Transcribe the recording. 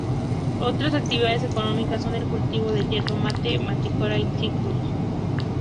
Otras actividades económicas son el cultivo de yerba mate, mandioca y citrus.